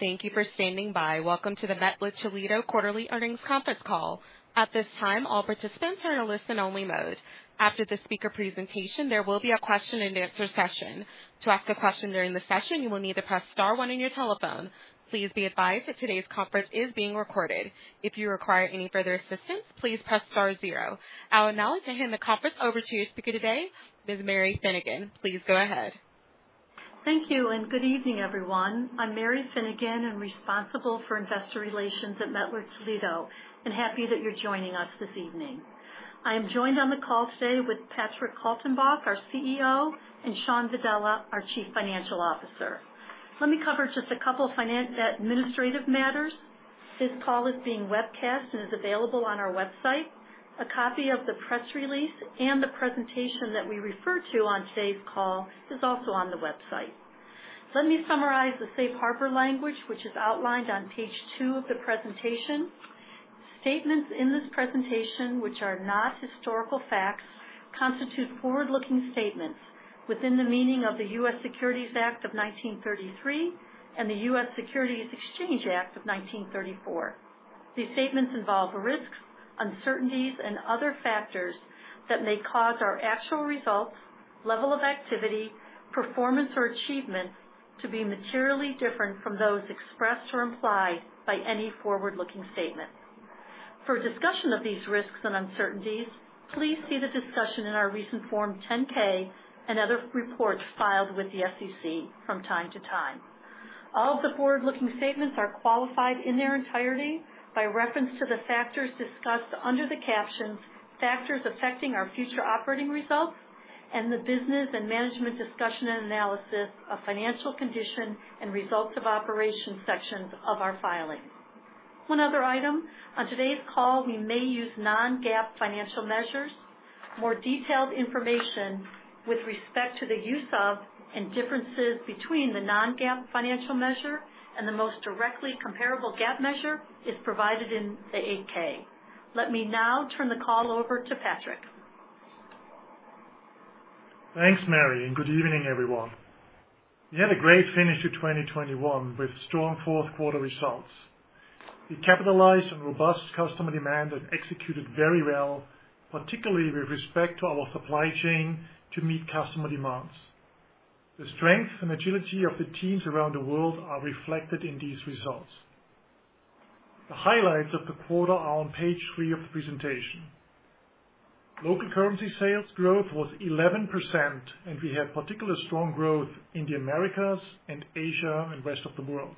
Thank you for standing by. Welcome to the Mettler-Toledo quarterly earnings conference call. At this time, all participants are in a listen only mode. After the speaker presentation, there will be a question-and-answer session. To ask a question during the session, you will need to press star one on your telephone. Please be advised that today's conference is being recorded. If you require any further assistance, please press star zero. I'll now hand the conference over to your speaker today, Ms. Mary Finnegan. Please go ahead. Thank you and good evening, everyone. I'm Mary Finnegan, and responsible for investor relations at Mettler-Toledo, and happy that you're joining us this evening. I am joined on the call today with Patrick Kaltenbach, our CEO, and Shawn Vadala, our Chief Financial Officer. Let me cover just a couple of administrative matters. This call is being webcast and is available on our website. A copy of the press release and the presentation that we refer to on today's call is also on the website. Let me summarize the safe harbor language, which is outlined on page two of the presentation. Statements in this presentation which are not historical facts constitute forward-looking statements within the meaning of the U.S. Securities Act of 1933 and the U.S. Securities Exchange Act of 1934. These statements involve risks, uncertainties, and other factors that may cause our actual results, level of activity, performance, or achievement to be materially different from those expressed or implied by any forward-looking statement. For a discussion of these risks and uncertainties, please see the discussion in our recent Form 10-K and other reports filed with the SEC from time to time. All of the forward-looking statements are qualified in their entirety by reference to the factors discussed under the captions Factors Affecting Our Future Operating Results and the Business and Management Discussion and Analysis of Financial Condition and Results of Operations sections of our filing. One other item. On today's call, we may use non-GAAP financial measures. More detailed information with respect to the use of and differences between the non-GAAP financial measure and the most directly comparable GAAP measure is provided in the 8-K. Let me now turn the call over to Patrick. Thanks, Mary, and good evening, everyone. We had a great finish to 2021 with strong fourth quarter results. We capitalized on robust customer demand and executed very well, particularly with respect to our supply chain to meet customer demands. The strength and agility of the teams around the world are reflected in these results. The highlights of the quarter are on page three of the presentation. Local currency sales growth was 11%, and we had particularly strong growth in the Americas and Asia and rest of the world.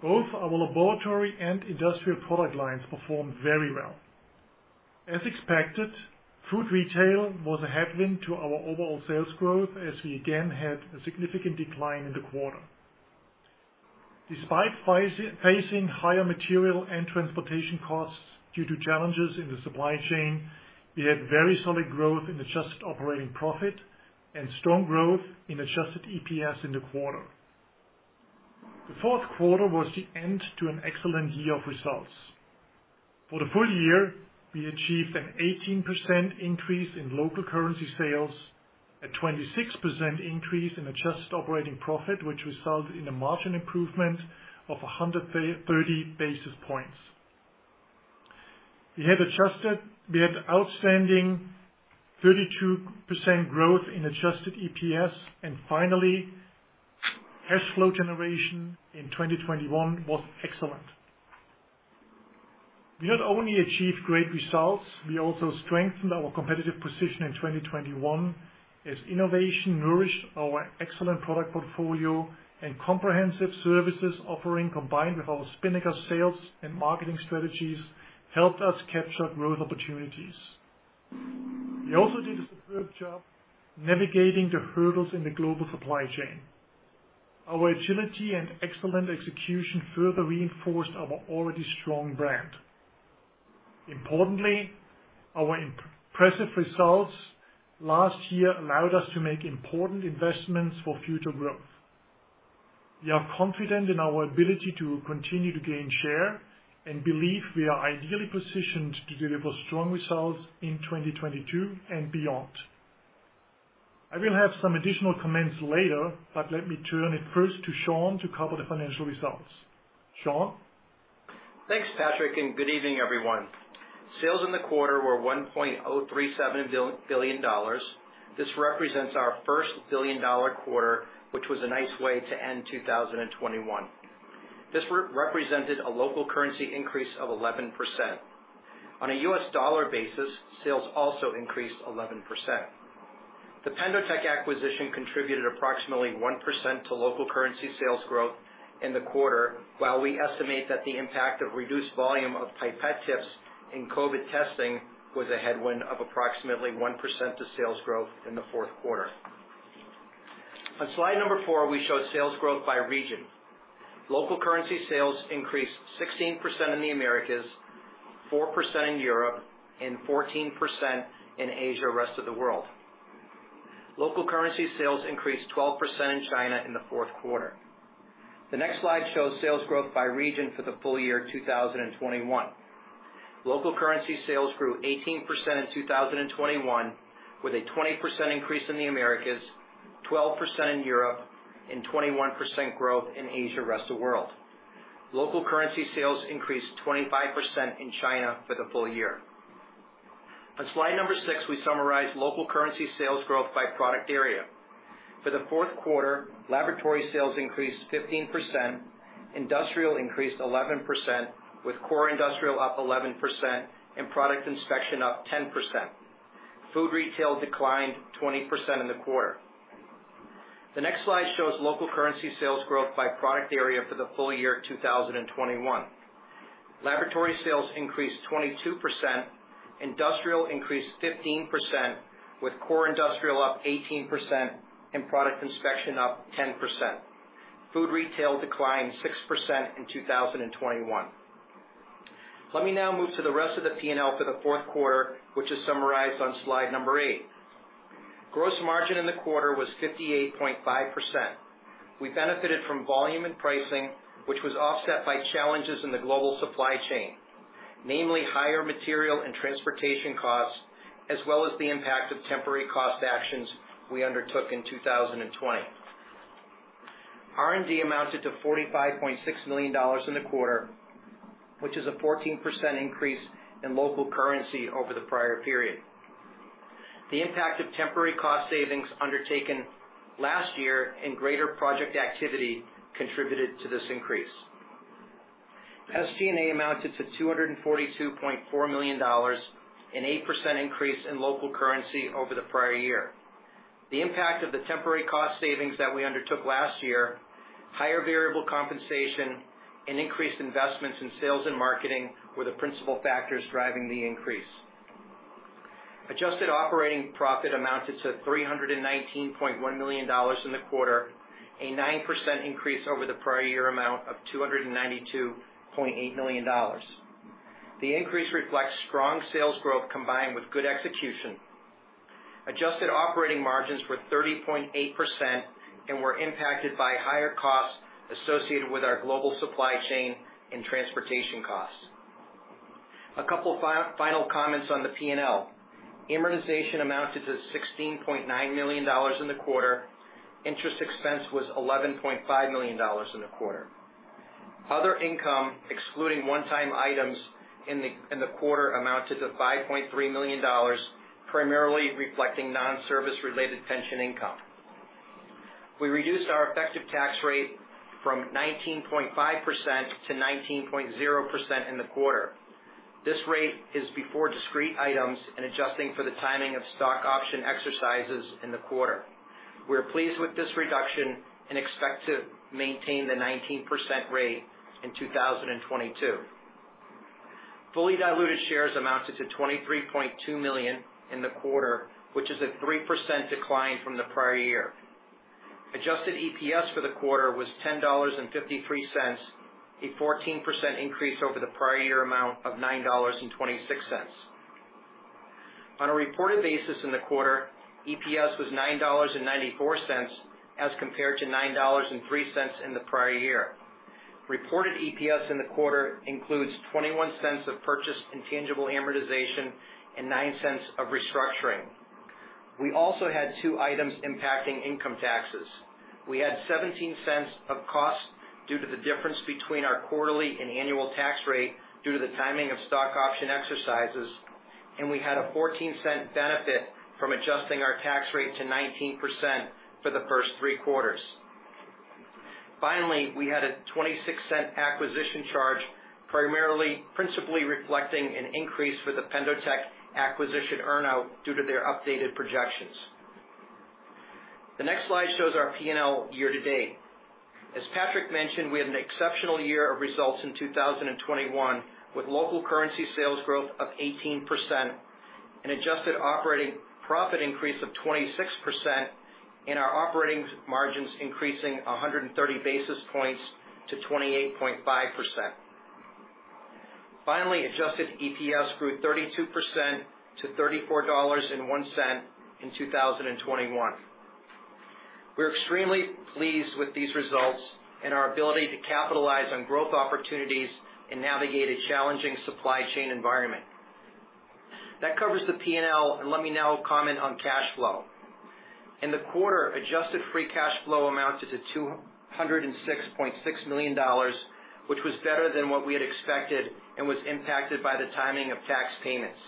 Both our Laboratory and Industrial product lines performed very well. As expected, Food Retail was a headwind to our overall sales growth as we again had a significant decline in the quarter. Despite facing higher material and transportation costs due to challenges in the supply chain, we had very solid growth in adjusted operating profit and strong growth in adjusted EPS in the quarter. The fourth quarter was the end to an excellent year of results. For the full year, we achieved an 18% increase in local currency sales, a 26% increase in adjusted operating profit, which resulted in a margin improvement of 130 basis points. We had outstanding 32% growth in adjusted EPS. Finally, cash flow generation in 2021 was excellent. We not only achieved great results, we also strengthened our competitive position in 2021 as innovation nourished our excellent product portfolio and comprehensive services offering, combined with our Spinnaker sales and marketing strategies, helped us capture growth opportunities. We also did a superb job navigating the hurdles in the global supply chain. Our agility and excellent execution further reinforced our already strong brand. Importantly, our impressive results last year allowed us to make important investments for future growth. We are confident in our ability to continue to gain share and believe we are ideally positioned to deliver strong results in 2022 and beyond. I will have some additional comments later, but let me turn it first to Shawn to cover the financial results. Shawn? Thanks, Patrick, and good evening, everyone. Sales in the quarter were $1.037 billion. This represents our first billion-dollar quarter, which was a nice way to end 2021. This represented a local currency increase of 11%. On a U.S. dollar basis, sales also increased 11%. The PendoTECH acquisition contributed approximately 1% to local currency sales growth in the quarter, while we estimate that the impact of reduced volume of pipette tips in COVID testing was a headwind of approximately 1% to sales growth in the fourth quarter. On slide four, we show sales growth by region. Local currency sales increased 16% in the Americas, 4% in Europe, and 14% in Asia, rest of the world. Local currency sales increased 12% in China in the fourth quarter. The next slide shows sales growth by region for the full year 2021. Local currency sales grew 18% in 2021, with a 20% increase in the Americas, 12% in Europe, and 21% growth in Asia, rest of world. Local currency sales increased 25% in China for the full year. On slide six, we summarize local currency sales growth by product area. For the fourth quarter, Laboratory sales increased 15%, Industrial increased 11%, with core Industrial up 11% and Product Inspection up 10%. Food Retail declined 20% in the quarter. The next slide shows local currency sales growth by product area for the full year 2021. Laboratory sales increased 22%. Industrial increased 15%, with core Industrial up 18% and Product Inspection up 10%. Food Retail declined 6% in 2021. Let me now move to the rest of the P&L for the fourth quarter, which is summarized on slide eight. Gross margin in the quarter was 58.5%. We benefited from volume and pricing, which was offset by challenges in the global supply chain, namely higher material and transportation costs, as well as the impact of temporary cost actions we undertook in 2020. R&D amounted to $45.6 million in the quarter, which is a 14% increase in local currency over the prior period. The impact of temporary cost savings undertaken last year and greater project activity contributed to this increase. SG&A amounted to $242.4 million, an 8% increase in local currency over the prior year. The impact of the temporary cost savings that we undertook last year, higher variable compensation, and increased investments in sales and marketing were the principal factors driving the increase. Adjusted operating profit amounted to $319.1 million in the quarter, a 9% increase over the prior year amount of $292.8 million. The increase reflects strong sales growth combined with good execution. Adjusted operating margins were 30.8% and were impacted by higher costs associated with our global supply chain and transportation costs. A couple final comments on the P&L. Amortization amounted to $16.9 million in the quarter. Interest expense was $11.5 million in the quarter. Other income, excluding one-time items in the quarter, amounted to $5.3 million, primarily reflecting non-service related pension income. We reduced our effective tax rate from 19.5%-19.0% in the quarter. This rate is before discrete items and adjusting for the timing of stock option exercises in the quarter. We are pleased with this reduction and expect to maintain the 19% rate in 2022. Fully diluted shares amounted to 23.2 million in the quarter, which is a 3% decline from the prior year. Adjusted EPS for the quarter was $10.53, a 14% increase over the prior year amount of $9.26. On a reported basis in the quarter, EPS was $9.94 as compared to $9.03 in the prior year. Reported EPS in the quarter includes $0.21 of purchased intangible amortization and $0.09 of restructuring. We also had two items impacting income taxes. We had $0.17 of cost due to the difference between our quarterly and annual tax rate due to the timing of stock option exercises, and we had a $0.14 benefit from adjusting our tax rate to 19% for the first three quarters. Finally, we had a $0.26 acquisition charge, primarily, principally reflecting an increase for the PendoTECH acquisition earnout due to their updated projections. The next slide shows our P&L year to date. As Patrick mentioned, we had an exceptional year of results in 2021, with local currency sales growth of 18%, an adjusted operating profit increase of 26%, and our operating margins increasing 130 basis points to 28.5%. Finally, adjusted EPS grew 32% to $34.01 in 2021. We're extremely pleased with these results and our ability to capitalize on growth opportunities and navigate a challenging supply chain environment. That covers the P&L, and let me now comment on cash flow. In the quarter, adjusted free cash flow amounted to $206.6 million, which was better than what we had expected and was impacted by the timing of tax payments.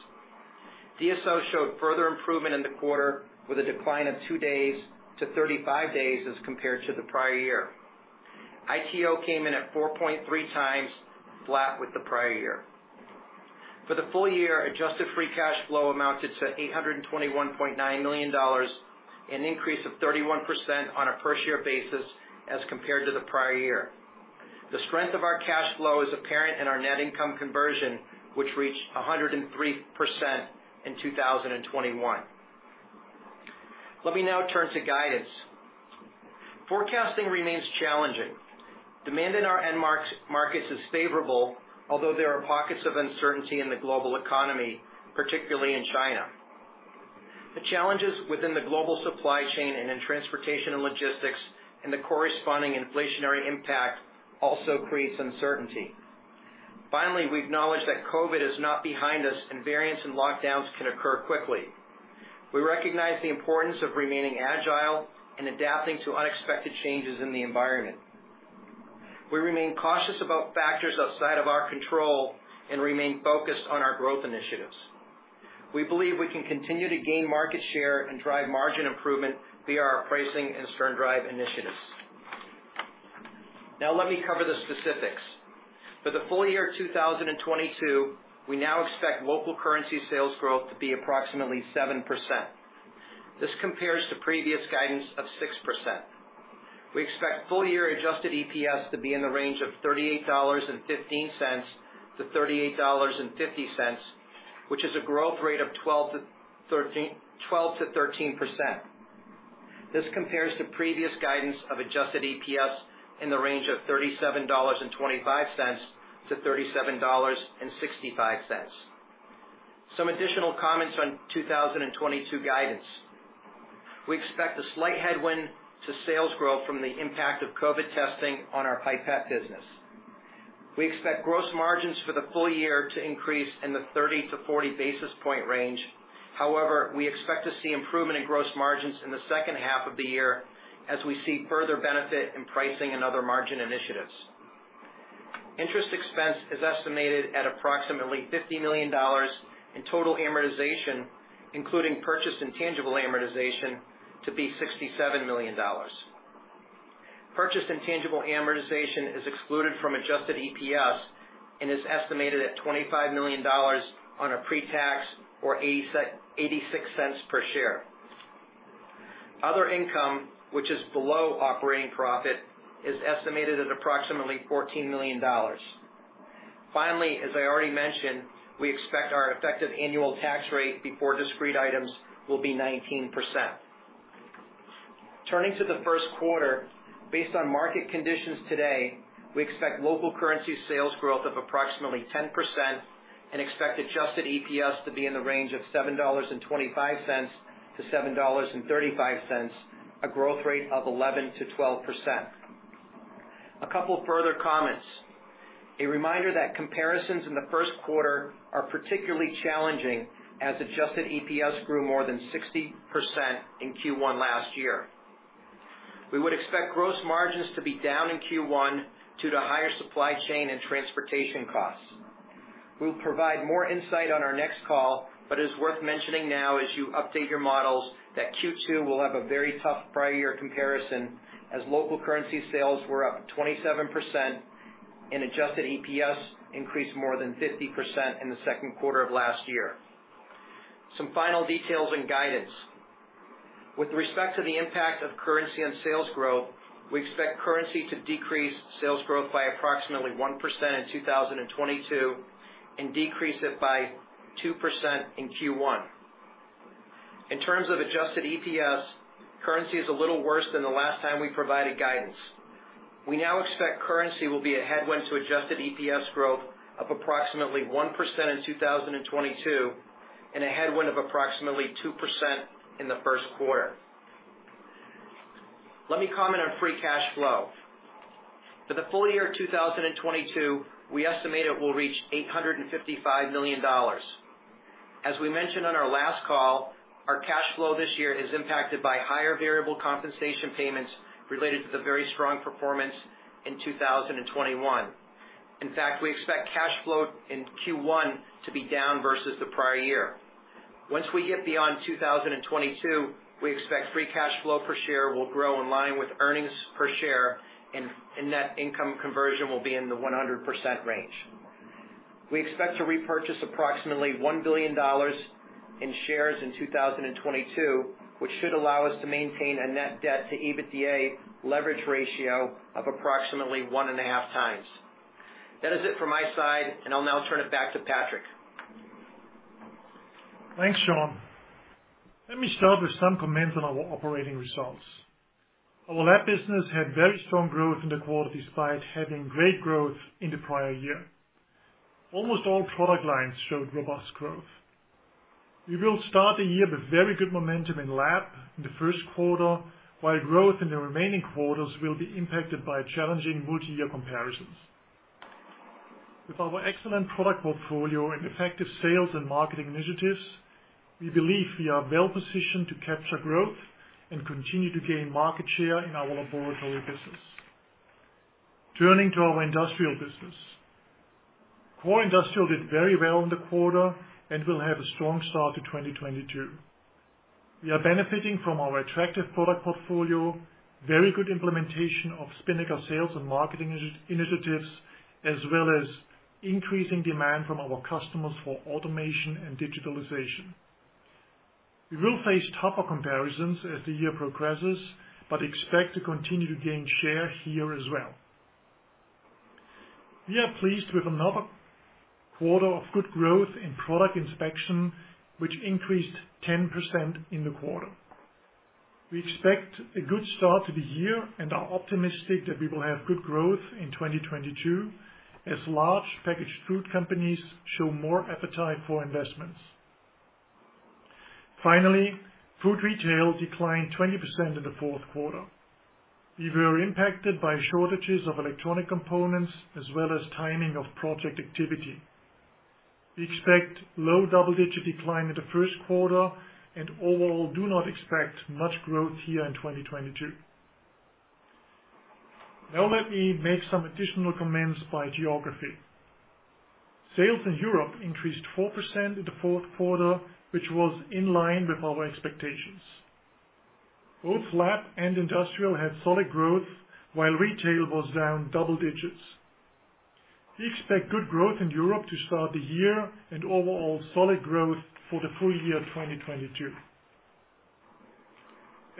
DSO showed further improvement in the quarter with a decline of two days to 35 days as compared to the prior year. ITO came in at 4.3x, flat with the prior year. For the full year, adjusted free cash flow amounted to $821.9 million, an increase of 31% on a per-share basis as compared to the prior year. The strength of our cash flow is apparent in our net income conversion, which reached 103% in 2021. Let me now turn to guidance. Forecasting remains challenging. Demand in our end markets is favorable, although there are pockets of uncertainty in the global economy, particularly in China. The challenges within the global supply chain and in transportation and logistics and the corresponding inflationary impact also creates uncertainty. Finally, we acknowledge that COVID is not behind us, and variants and lockdowns can occur quickly. We recognize the importance of remaining agile and adapting to unexpected changes in the environment. We remain cautious about factors outside of our control and remain focused on our growth initiatives. We believe we can continue to gain market share and drive margin improvement via our pricing and SternDrive initiatives. Now let me cover the specifics. For the full year 2022, we now expect local currency sales growth to be approximately 7%. This compares to previous guidance of 6%. We expect full year adjusted EPS to be in the range of $38.15-$38.50, which is a growth rate of 12%-13%. This compares to previous guidance of adjusted EPS in the range of $37.25-$37.65. Some additional comments on 2022 guidance. We expect a slight headwind to sales growth from the impact of COVID testing on our pipette business. We expect gross margins for the full year to increase in the 30-40 basis point range. However, we expect to see improvement in gross margins in the second half of the year as we see further benefit in pricing and other margin initiatives. Interest expense is estimated at approximately $50 million. Total amortization, including purchased intangible amortization, to be $67 million. Purchased intangible amortization is excluded from adjusted EPS and is estimated at $25 million on a pre-tax basis or $0.86 per share. Other income, which is below operating profit, is estimated at approximately $14 million. Finally, as I already mentioned, we expect our effective annual tax rate before discrete items will be 19%. Turning to the first quarter, based on market conditions today, we expect local currency sales growth of approximately 10% and expect adjusted EPS to be in the range of $7.25-$7.35, a growth rate of 11%-12%. A couple further comments. A reminder that comparisons in the first quarter are particularly challenging as adjusted EPS grew more than 60% in Q1 last year. We would expect gross margins to be down in Q1 due to higher supply chain and transportation costs. We'll provide more insight on our next call, but it's worth mentioning now as you update your models that Q2 will have a very tough prior year comparison as local currency sales were up 27% and adjusted EPS increased more than 50% in the second quarter of last year. Some final details and guidance. With respect to the impact of currency on sales growth, we expect currency to decrease sales growth by approximately 1% in 2022 and decrease it by 2% in Q1. In terms of adjusted EPS, currency is a little worse than the last time we provided guidance. We now expect currency will be a headwind to adjusted EPS growth of approximately 1% in 2022 and a headwind of approximately 2% in the first quarter. Let me comment on free cash flow. For the full year 2022, we estimate it will reach $855 million. As we mentioned on our last call, our cash flow this year is impacted by higher variable compensation payments related to the very strong performance in 2021. In fact, we expect cash flow in Q1 to be down versus the prior year. Once we get beyond 2022, we expect free cash flow per share will grow in line with earnings per share and net income conversion will be in the 100% range. We expect to repurchase approximately $1 billion in shares in 2022, which should allow us to maintain a net debt to EBITDA leverage ratio of approximately 1.5x. That is it from my side, and I'll now turn it back to Patrick. Thanks, Shawn. Let me start with some comments on our operating results. Our lab business had very strong growth in the quarter despite having great growth in the prior year. Almost all product lines showed robust growth. We will start the year with very good momentum in lab in the first quarter, while growth in the remaining quarters will be impacted by challenging multi-year comparisons. With our excellent product portfolio and effective sales and marketing initiatives, we believe we are well positioned to capture growth and continue to gain market share in our laboratory business. Turning to our industrial business. Core industrial did very well in the quarter and will have a strong start to 2022. We are benefiting from our attractive product portfolio, very good implementation of Spinnaker sales and marketing initiatives, as well as increasing demand from our customers for automation and digitalization. We will face tougher comparisons as the year progresses, but expect to continue to gain share here as well. We are pleased with another quarter of good growth in Product Inspection, which increased 10% in the quarter. We expect a good start to the year and are optimistic that we will have good growth in 2022 as large packaged food companies show more appetite for investments. Finally, Food Retail declined 20% in the fourth quarter. We were impacted by shortages of electronic components as well as timing of project activity. We expect low double-digit decline in the first quarter and overall do not expect much growth here in 2022. Now let me make some additional comments by geography. Sales in Europe increased 4% in the fourth quarter, which was in line with our expectations. Both Lab and Industrial had solid growth while Retail was down double digits. We expect good growth in Europe to start the year and overall solid growth for the full year 2022.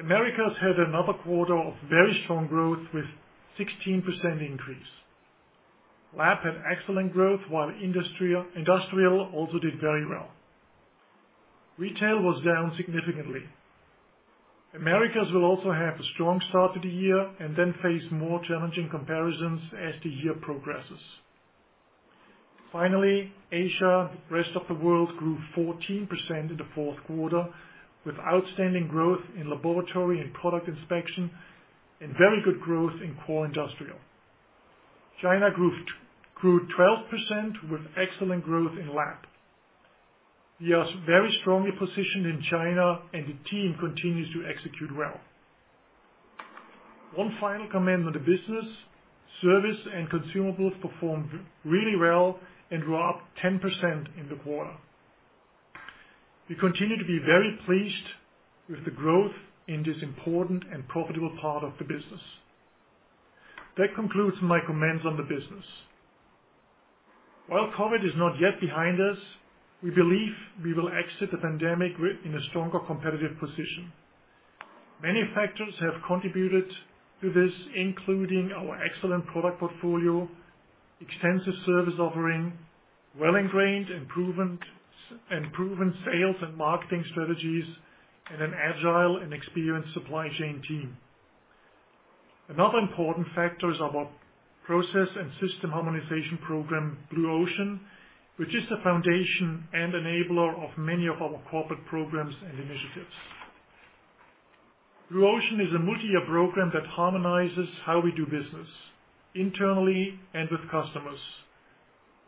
Americas had another quarter of very strong growth with 16% increase. Lab had excellent growth while Industrial also did very well. Retail was down significantly. Americas will also have a strong start to the year and then face more challenging comparisons as the year progresses. Finally, Asia, rest of the world grew 14% in the fourth quarter with outstanding growth in Laboratory and Product Inspection and very good growth in core Industrial. China grew 12% with excellent growth in Lab. We are very strongly positioned in China, and the team continues to execute well. One final comment on the business. Service and consumables performed really well and were up 10% in the quarter. We continue to be very pleased with the growth in this important and profitable part of the business. That concludes my comments on the business. While COVID is not yet behind us, we believe we will exit the pandemic in a stronger competitive position. Many factors have contributed to this, including our excellent product portfolio, extensive service offering, well-ingrained and proven sales and marketing strategies, and an agile and experienced supply chain team. Another important factor is our process and system harmonization program, Blue Ocean, which is the foundation and enabler of many of our corporate programs and initiatives. Blue Ocean is a multi-year program that harmonizes how we do business internally and with customers.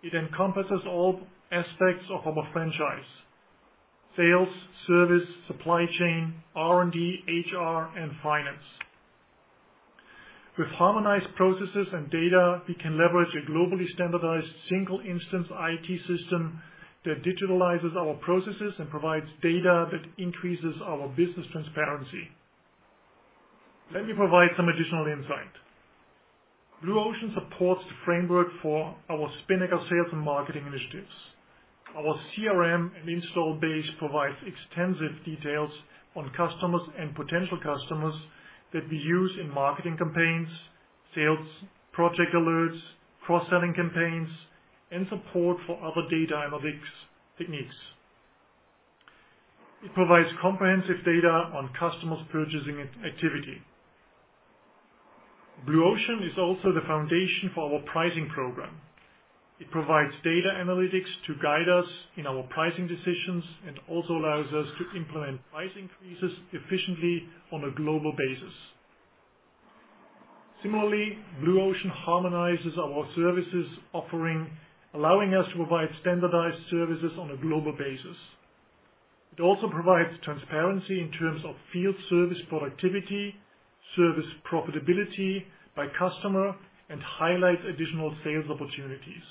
It encompasses all aspects of our franchise. Sales, service, supply chain, R&D, HR, and finance. With harmonized processes and data, we can leverage a globally standardized single instance IT system that digitalizes our processes and provides data that increases our business transparency. Let me provide some additional insight. Blue Ocean supports the framework for our Spinnaker sales and marketing initiatives. Our CRM and installed base provides extensive details on customers and potential customers that we use in marketing campaigns, sales, project alerts, cross-selling campaigns, and support for other data analytics techniques. It provides comprehensive data on customers' purchasing activity. Blue Ocean is also the foundation for our pricing program. It provides data analytics to guide us in our pricing decisions and also allows us to implement price increases efficiently on a global basis. Similarly, Blue Ocean harmonizes our services offering, allowing us to provide standardized services on a global basis. It also provides transparency in terms of field service productivity, service profitability by customer, and highlights additional sales opportunities.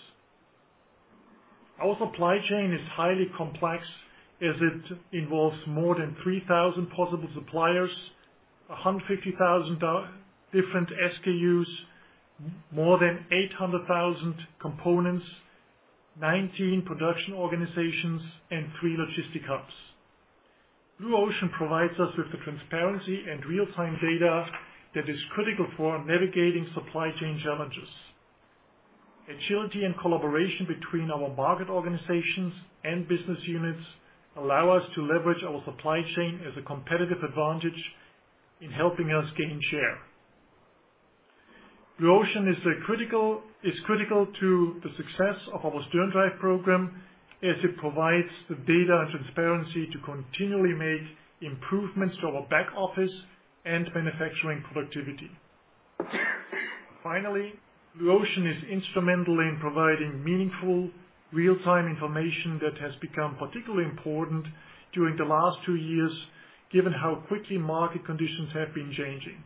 Our supply chain is highly complex as it involves more than 3,000 possible suppliers, 150,000 different SKUs, more than 800,000 components, 19 production organizations, and three logistic hubs. Blue Ocean provides us with the transparency and real-time data that is critical for navigating supply chain challenges. Agility and collaboration between our market organizations and business units allow us to leverage our supply chain as a competitive advantage in helping us gain share. Blue Ocean is critical to the success of our SternDrive program as it provides the data and transparency to continually make improvements to our back office and manufacturing productivity. Finally, Blue Ocean is instrumental in providing meaningful real-time information that has become particularly important during the last two years, given how quickly market conditions have been changing.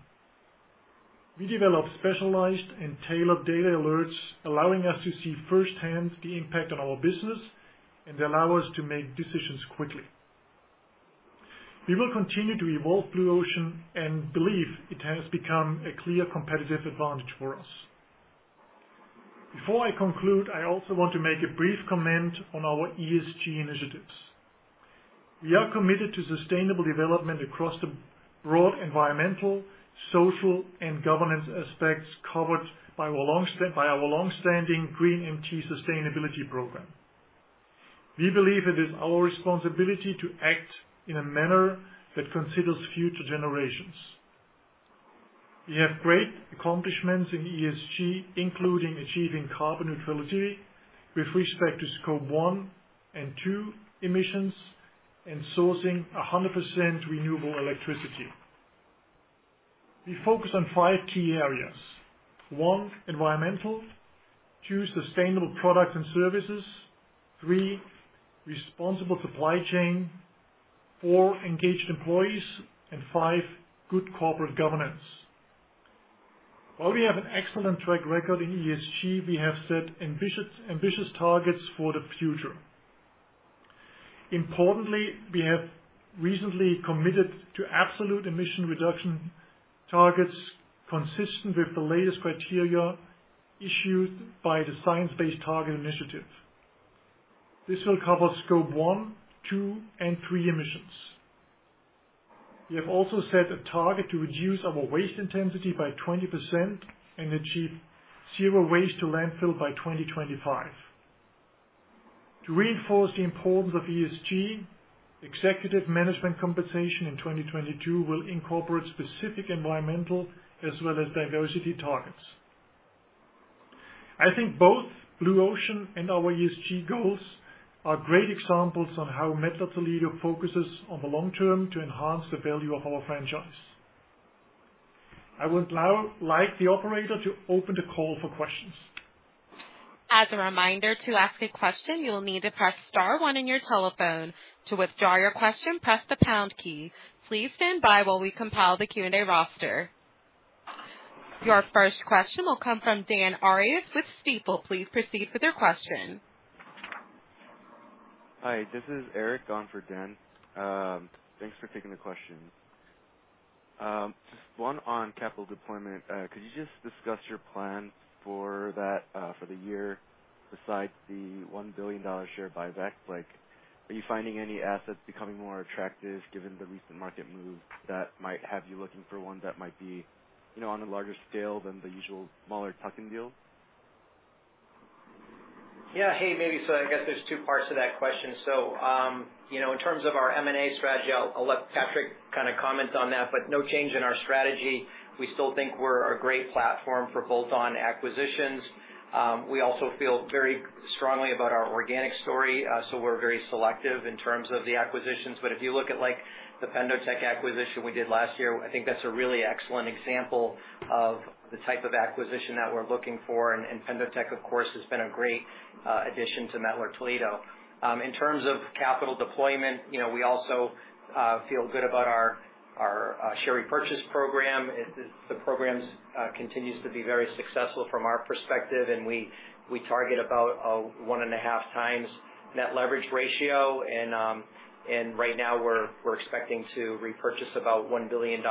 We developed specialized and tailored data alerts, allowing us to see firsthand the impact on our business and allow us to make decisions quickly. We will continue to evolve Blue Ocean and believe it has become a clear competitive advantage for us. Before I conclude, I also want to make a brief comment on our ESG initiatives. We are committed to sustainable development across the broad environmental, social, and governance aspects covered by our long-standing GreenMT sustainability program. We believe it is our responsibility to act in a manner that considers future generations. We have great accomplishments in ESG, including achieving carbon neutrality with respect to scope one and two emissions and sourcing 100% renewable electricity. We focus on five key areas. One, environmental. Two, sustainable products and services. Three, responsible supply chain. Four, engaged employees. Five, good corporate governance. While we have an excellent track record in ESG, we have set ambitious targets for the future. Importantly, we have recently committed to absolute emission reduction targets consistent with the latest criteria issued by the Science Based Targets initiative. This will cover scope one, two, and three emissions. We have also set a target to reduce our waste intensity by 20% and achieve zero waste to landfill by 2025. To reinforce the importance of ESG, executive management compensation in 2022 will incorporate specific environmental as well as diversity targets. I think both Blue Ocean and our ESG goals are great examples of how Mettler-Toledo focuses on the long term to enhance the value of our franchise. I would now like the operator to open the call for questions. As a reminder, to ask a question, you will need to press star one on your telephone. To withdraw your question, press the pound key. Please stand by while we compile the Q&A roster. Your first question will come from Dan Arias with Stifel. Please proceed with your question. Hi, this is Eric on for Dan. Thanks for taking the question. Just one on capital deployment. Could you just discuss your plan for that, for the year besides the $1 billion share buyback? Like, are you finding any assets becoming more attractive given the recent market move that might have you looking for one that might be, you know, on a larger scale than the usual smaller tuck-in deal? Yeah. Hey, maybe so I guess there's two parts to that question. You know, in terms of our M&A strategy, I'll let Patrick kind of comment on that, but no change in our strategy. We still think we're a great platform for bolt-on acquisitions. We also feel very strongly about our organic story, so we're very selective in terms of the acquisitions. But if you look at, like, the PendoTECH acquisition we did last year, I think that's a really excellent example of the type of acquisition that we're looking for. And PendoTECH, of course, has been a great addition to Mettler-Toledo. In terms of capital deployment, you know, we also feel good about our share repurchase program. The program's continues to be very successful from our perspective, and we target about a 1.5 times net leverage ratio. Right now we're expecting to repurchase about $1 billion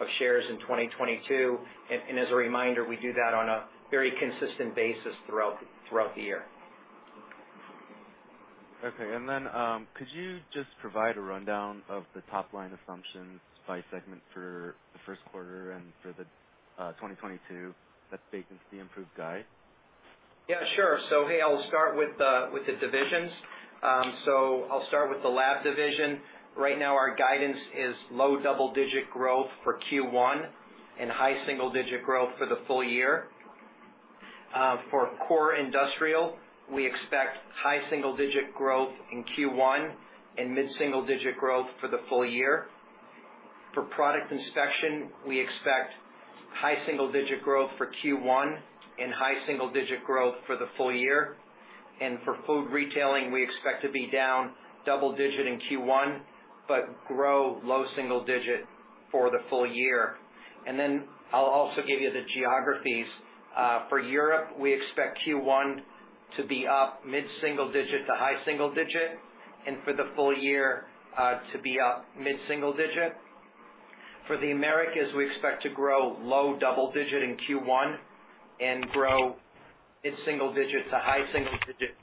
of shares in 2022. As a reminder, we do that on a very consistent basis throughout the year. Okay. Could you just provide a rundown of the top-line assumptions by segment for the first quarter and for 2022 that's baked into the improved guide? Yeah, sure. Hey, I'll start with the divisions. I'll start with the Lab division. Right now, our guidance is low double-digit growth for Q1 and high single-digit growth for the full year. For Core Industrial, we expect high single-digit growth in Q1 and mid-single-digit growth for the full year. For Product Inspection, we expect high single-digit growth for Q1 and high single-digit growth for the full year. For Food Retail, we expect to be down double-digit in Q1, but grow low single-digit for the full year. I'll also give you the geographies. For Europe, we expect Q1 to be up mid-single-digit to high single-digit, and for the full year, to be up mid-single-digit. For the Americas, we expect to grow low double-digit in Q1 and grow mid-single-digit to high single-digit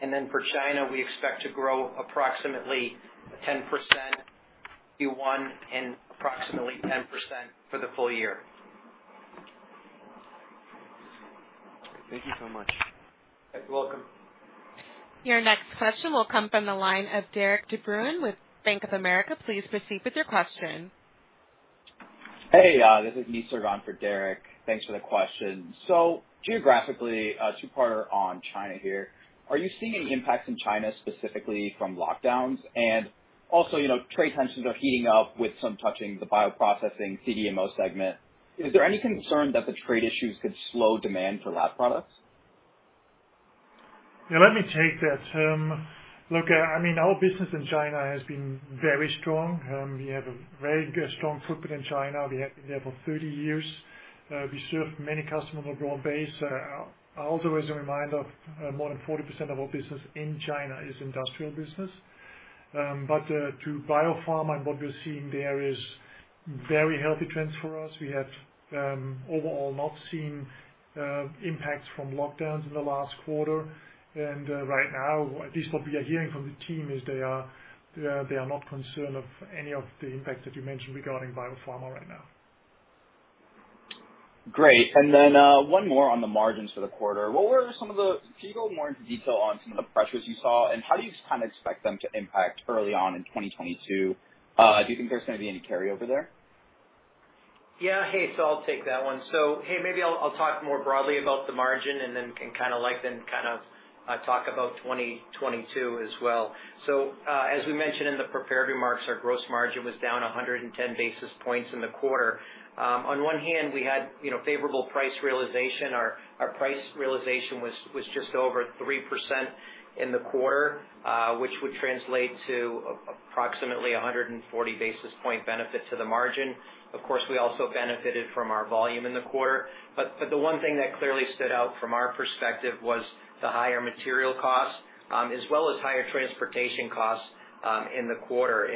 full-year. For China, we expect to grow approximately 10% Q1 and approximately 10% for the full year. Thank you so much. You're welcome. Your next question will come from the line of Derik DeBruin with Bank of America. Please proceed with your question. Hey, this is Jack Meehan on for Derik DeBruin. Thanks for the question. Geographically, two-parter on China here. Are you seeing any impacts in China, specifically from lockdowns? You know, trade tensions are heating up with some touching the bioprocessing CDMO segment. Is there any concern that the trade issues could slow demand for lab products? Yeah, let me take that. Look, I mean, our business in China has been very strong. We have a very strong footprint in China. We have been there for 30 years. We serve many customers with broad base. Also as a reminder, more than 40% of our business in China is industrial business. To biopharma and what we're seeing there is very healthy trends for us. We have overall not seen impacts from lockdowns in the last quarter. Right now, at least what we are hearing from the team is they are not concerned of any of the impacts that you mentioned regarding biopharma right now. Great. One more on the margins for the quarter. Can you go more into detail on some of the pressures you saw, and how do you kind of expect them to impact early on in 2022? Do you think there's gonna be any carry over there? Hey, I'll take that one. Hey, maybe I'll talk more broadly about the margin and then talk about 2022 as well. As we mentioned in the prepared remarks, our gross margin was down 110 basis points in the quarter. On one hand, we had, you know, favorable price realization. Our price realization was just over 3% in the quarter, which would translate to approximately 140 basis point benefit to the margin. Of course, we also benefited from our volume in the quarter, but the one thing that clearly stood out from our perspective was the higher material costs, as well as higher transportation costs, in the quarter.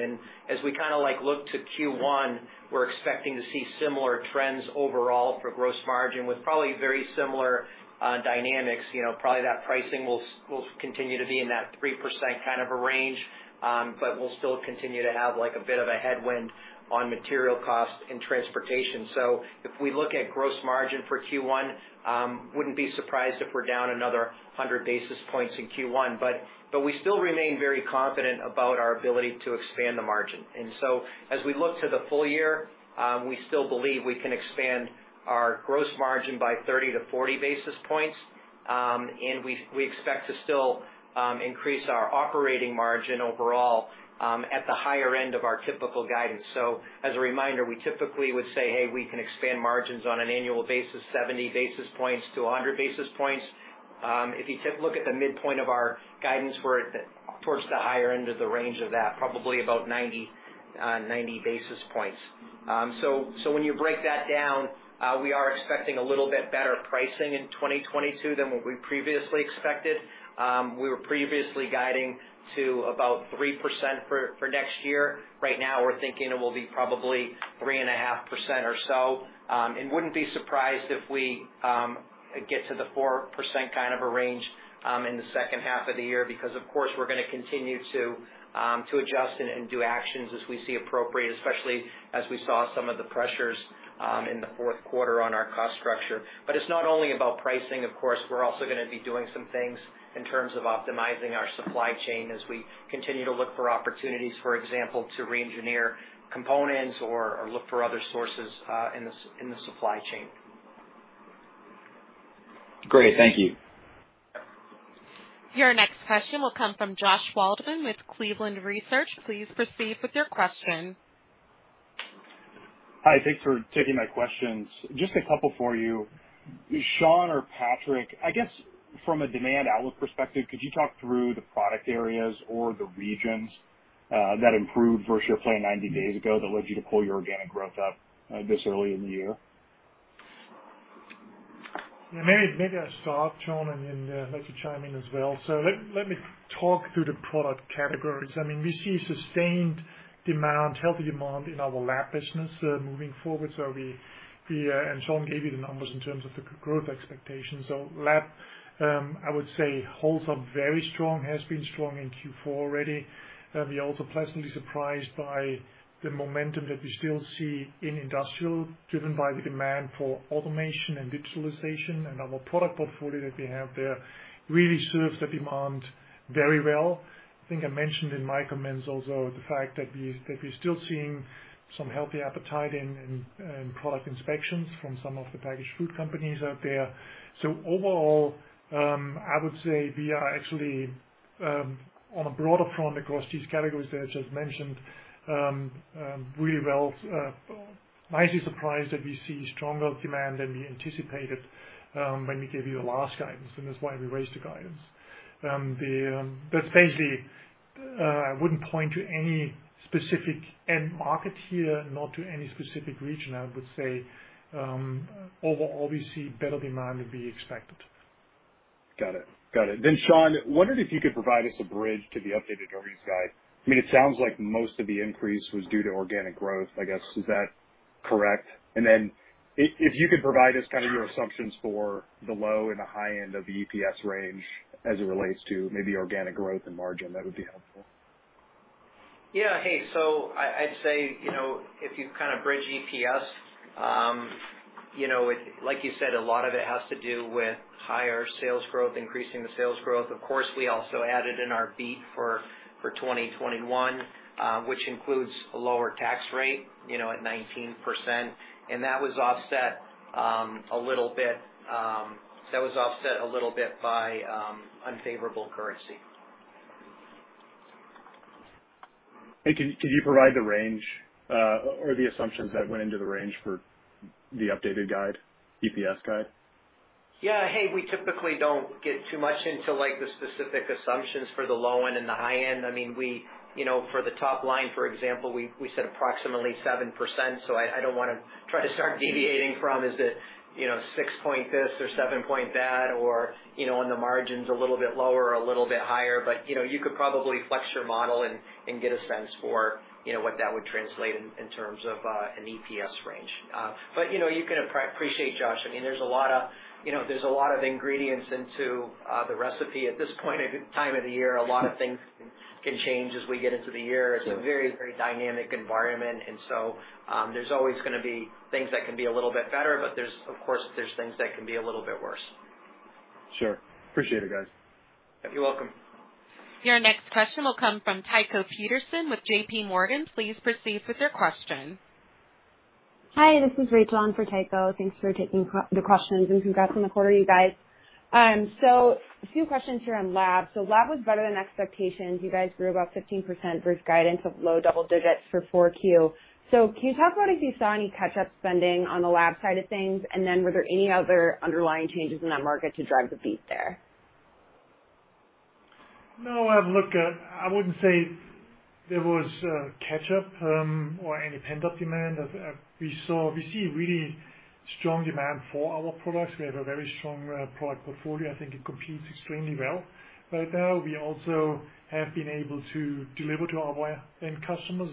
As we kinda like look to Q1, we're expecting to see similar trends overall for gross margin with probably very similar dynamics. You know, probably that pricing will continue to be in that 3% kind of a range, but we'll still continue to have like a bit of a headwind on material costs and transportation. If we look at gross margin for Q1, wouldn't be surprised if we're down another 100 basis points in Q1, but we still remain very confident about our ability to expand the margin. As we look to the full year, we still believe we can expand our gross margin by 30-40 basis points, and we expect to still increase our operating margin overall at the higher end of our typical guidance. As a reminder, we typically would say, "Hey, we can expand margins on an annual basis, 70 basis points to 100 basis points." If you look at the midpoint of our guidance, we're towards the higher end of the range of that, probably about 90 basis points. When you break that down, we are expecting a little bit better pricing in 2022 than what we previously expected. We were previously guiding to about 3% for next year. Right now we're thinking it will be probably 3.5% or so, and wouldn't be surprised if we get to the 4% kind of a range in the second half of the year because, of course, we're gonna continue to adjust and do actions as we see appropriate, especially as we saw some of the pressures in the fourth quarter on our cost structure. It's not only about pricing, of course, we're also gonna be doing some things in terms of optimizing our supply chain as we continue to look for opportunities, for example, to reengineer components or look for other sources in the supply chain. Great. Thank you. Your next question will come from Josh Waldman with Cleveland Research. Please proceed with your question. Hi, thanks for taking my questions. Just a couple for you. Shawn or Patrick, I guess from a demand outlook perspective, could you talk through the product areas or the regions, that improved versus your plan 90 days ago that led you to pull your organic growth up, this early in the year? Yeah. Maybe I'll start, Shawn, and then let you chime in as well. Let me talk through the product categories. I mean, we see sustained demand, healthy demand in our Lab business moving forward. Shawn gave you the numbers in terms of the growth expectations. Lab, I would say, holds up very strong, has been strong in Q4 already. We're also pleasantly surprised by the momentum that we still see in Industrial, driven by the demand for automation and digitalization, and our product portfolio that we have there really serves the demand very well. I think I mentioned in my comments also the fact that we're still seeing some healthy appetite in Product Inspection from some of the packaged food companies out there. Overall, I would say we are actually on a broader front across these categories there, as I've mentioned, really well, nicely surprised that we see stronger demand than we anticipated when we gave you the last guidance, and that's why we raised the guidance. But basically, I wouldn't point to any specific end market here, not to any specific region. I would say overall we see better demand than we expected. Got it. Shawn, I wondered if you could provide us a bridge to the updated earnings guide. I mean, it sounds like most of the increase was due to organic growth, I guess. Is that correct? And then if you could provide us kind of your assumptions for the low and the high end of the EPS range as it relates to maybe organic growth and margin, that would be helpful. I'd say, you know, if you kind of bridge EPS, you know, it, like you said, a lot of it has to do with higher sales growth, increasing the sales growth. Of course, we also added in our beat for 2021, which includes a lower tax rate, you know, at 19%, and that was offset a little bit by unfavorable currency. Can you provide the range or the assumptions that went into the range for the updated guide, EPS guide? Yeah. Hey, we typically don't get too much into like the specific assumptions for the low end and the high end. I mean, you know, for the top line, for example, we said approximately 7%, so I don't wanna try to start deviating from is it, you know, 6 point this or 7 point that or, you know, and the margin's a little bit lower or a little bit higher. You know, you could probably flex your model and get a sense for, you know, what that would translate in terms of an EPS range. You know, you can appreciate, Josh. I mean, there's a lot of, you know, there's a lot of ingredients into the recipe at this point in time of the year. A lot of things can change as we get into the year. It's a very, very dynamic environment. There's always gonna be things that can be a little bit better, but there's, of course, things that can be a little bit worse. Sure. Appreciate it, guys. You're welcome. Your next question will come from Tycho Peterson with JPMorgan. Please proceed with your question. Hi, this is Rachel on for Tycho. Thanks for taking the questions, and congrats on the quarter, you guys. A few questions here on lab. Lab was better than expectations. You guys grew about 15% versus guidance of low double digits for Q4. Can you talk about if you saw any catch-up spending on the lab side of things? And then were there any other underlying changes in that market to drive the beat there? No, look, I wouldn't say there was catch-up or any pent-up demand. We see really strong demand for our products. We have a very strong product portfolio. I think it competes extremely well right now. We also have been able to deliver to our end customers.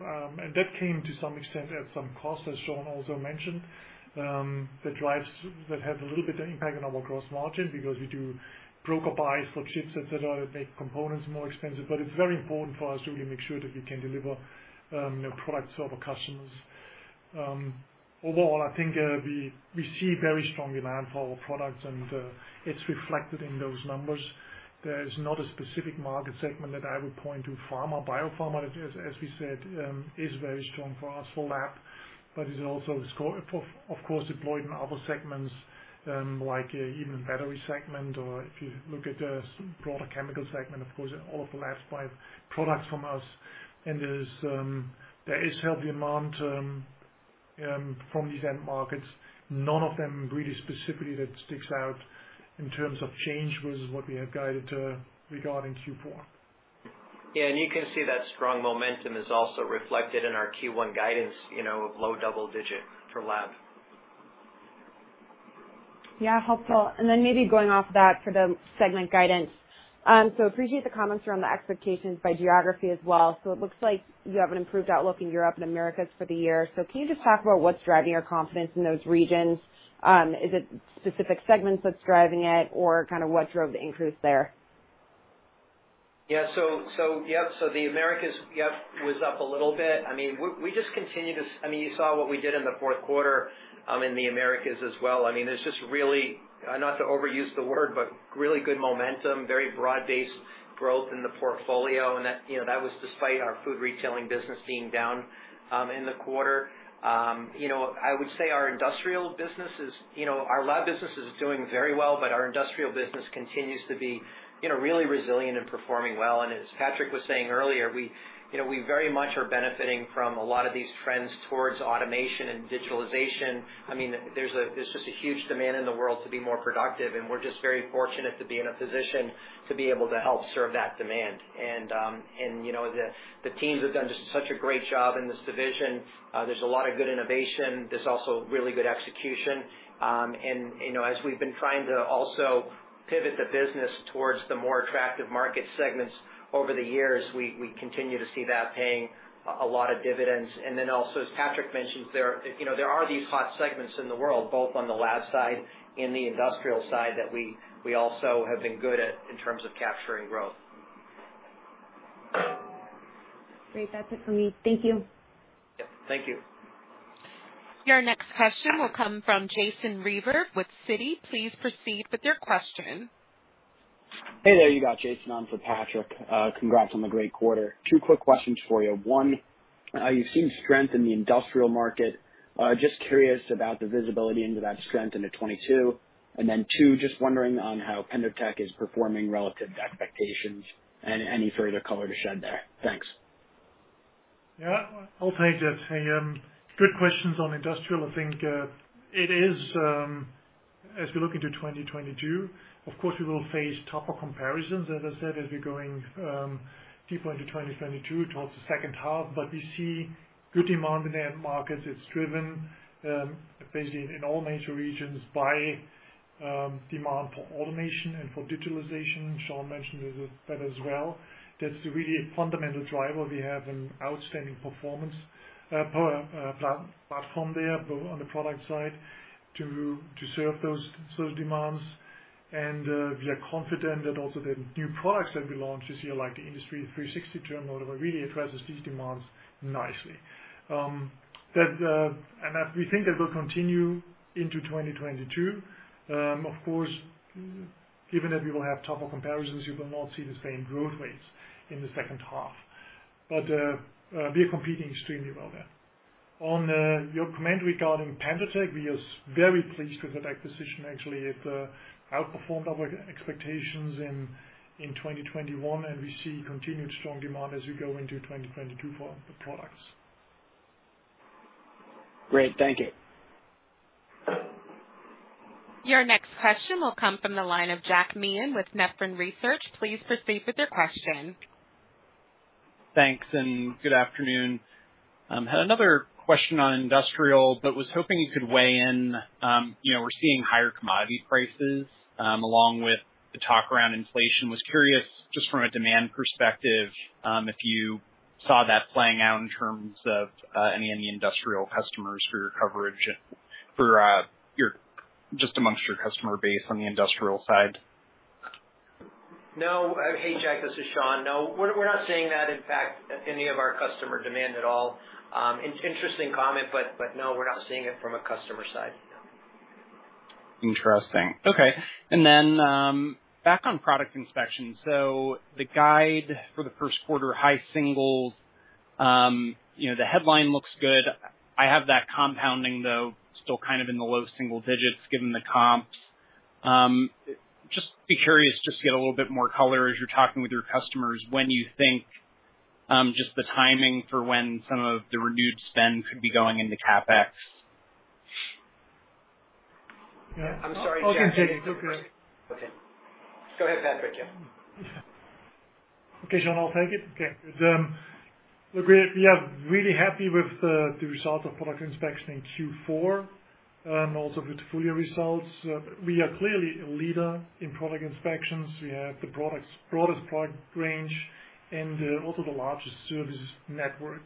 That came to some extent at some cost, as Shawn also mentioned. The drives that had a little bit of impact on our gross margin because we do broker buys for chips, et cetera, that make components more expensive. It's very important for us to really make sure that we can deliver products to our customers. Overall, I think we see very strong demand for our products and it's reflected in those numbers. There is not a specific market segment that I would point to. Pharma, biopharma, as we said, is very strong for us for lab, but is also, of course, deployed in other segments, like even battery segment or if you look at broader chemical segment, of course all of the latest five products from us. There is healthy demand from these end markets. None of them really specifically that sticks out in terms of change versus what we have guided regarding Q4. Yeah, you can see that strong momentum is also reflected in our Q1 guidance, you know, of low double-digit for lab. Yeah, helpful. Then maybe going off that for the segment guidance. Appreciate the comments around the expectations by geography as well. It looks like you have an improved outlook in Europe and Americas for the year. Can you just talk about what's driving your confidence in those regions? Is it specific segments that's driving it or kinda what drove the increase there? Yeah, so the Americas was up a little bit. I mean, we just continue to—I mean, you saw what we did in the fourth quarter in the Americas as well. I mean, it's just really not to overuse the word, but really good momentum, very broad-based growth in the portfolio, and that was despite our Food Retail business being down in the quarter. You know, I would say our industrial business is—our lab business is doing very well, but our industrial business continues to be really resilient and performing well. As Patrick was saying earlier, we very much are benefiting from a lot of these trends towards automation and digitalization. I mean, there's just a huge demand in the world to be more productive, and we're just very fortunate to be in a position to be able to help serve that demand. You know, the teams have done just such a great job in this division. There's a lot of good innovation. There's also really good execution. You know, as we've been trying to also pivot the business towards the more attractive market segments over the years, we continue to see that paying a lot of dividends. Then also, as Patrick mentioned there, you know, there are these hot segments in the world, both on the lab side and the industrial side that we also have been good at in terms of capturing growth. Great. That's it for me. Thank you. Yep, thank you. Your next question will come from Jason G. Reiver with Citi. Please proceed with your question. Hey there, you got Jason on for Patrick. Congrats on the great quarter. Two quick questions for you. One, you've seen strength in the industrial market. Just curious about the visibility into that strength into 2022. Two, just wondering on how PendoTECH is performing relative to expectations and any further color to shed there. Thanks. Yeah. I'll take that. Hey, good questions on industrial. I think it is as we look into 2022, of course, we will face tougher comparisons, as I said, as we're going deeper into 2022 towards the second half. We see good demand in the end markets. It's driven basically in all major regions by demand for automation and for digitalization. Shawn mentioned it, that as well. That's really a fundamental driver. We have an outstanding performance per platform there, but on the product side to serve those demands. We are confident that also the new products that we launched this year, like the IND360 terminal, really addresses these demands nicely. As we think that will continue into 2022. Of course, given that we will have tougher comparisons, you will not see the same growth rates in the second half. We are competing extremely well there. On your comment regarding PendoTECH, we are very pleased with that acquisition. Actually, it outperformed our expectations in 2021, and we see continued strong demand as we go into 2022 for the products. Great. Thank you. Your next question will come from the line of Jack Meehan with Nephron Research. Please proceed with your question. Thanks, and good afternoon. Had another question on industrial, but was hoping you could weigh in. You know, we're seeing higher commodity prices, along with the talk around inflation. Was curious just from a demand perspective, if you saw that playing out in terms of any industrial customers for your coverage, just amongst your customer base on the industrial side. No. Hey, Jack, this is Shawn. No, we're not seeing that, in fact, any of our customer demand at all. It's interesting comment, but no, we're not seeing it from a customer side, no. Interesting. Okay. Back on Product Inspection. The guide for the first quarter, high single digits, you know, the headline looks good. I have that compounding though, still kind of in the low single digits given the comps. I'm just curious to get a little bit more color as you're talking with your customers, when you think, just the timing for when some of the renewed spend could be going into CapEx? I'm sorry, Jack. I can take it. It's okay. Okay. Go ahead, Patrick. Yeah. Okay, Shawn, I'll take it. Okay. Look, we are really happy with the result of Product Inspection in Q4, also with full-year results. We are clearly a leader in product inspections. We have the broadest product range and also the largest services network.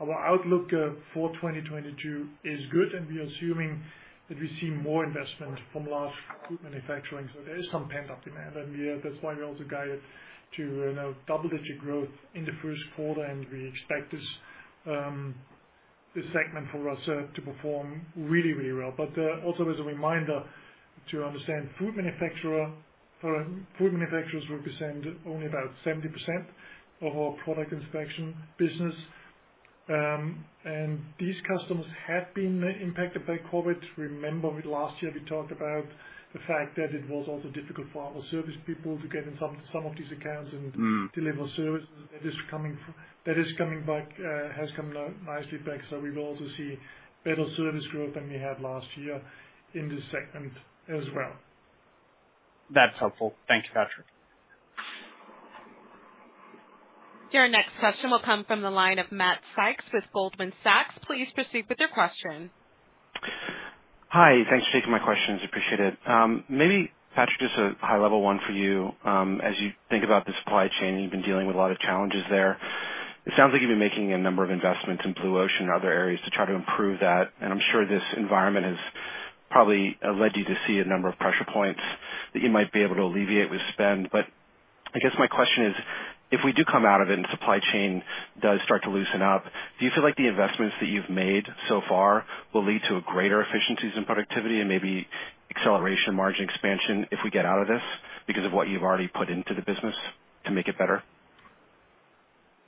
Our outlook for 2022 is good, and we are assuming that we see more investment from large food manufacturing. There is some pent-up demand. Yeah, that's why we also guided to, you know, double-digit growth in the first quarter, and we expect this segment for us to perform really well. Also as a reminder to understand or food manufacturers represent only about 70% of our Product Inspection business. These customers have been impacted by COVID. Remember last year we talked about the fact that it was also difficult for our service people to get in some of these accounts and. Mm. deliver services. That is coming back, has come nicely back. We will also see better service growth than we had last year in this segment as well. That's helpful. Thank you, Patrick. Your next question will come from the line of Matt Sykes with Goldman Sachs. Please proceed with your question. Hi. Thanks for taking my questions. Appreciate it. Maybe Patrick, just a high level one for you. As you think about the supply chain, you've been dealing with a lot of challenges there. It sounds like you've been making a number of investments in Blue Ocean and other areas to try to improve that. I'm sure this environment has probably led you to see a number of pressure points that you might be able to alleviate with spend. I guess my question is, if we do come out of it and supply chain does start to loosen up, do you feel like the investments that you've made so far will lead to a greater efficiencies in productivity and maybe acceleration margin expansion if we get out of this because of what you've already put into the business to make it better?